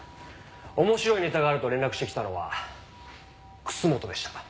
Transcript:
面白いネタがあると連絡してきたのは楠本でした。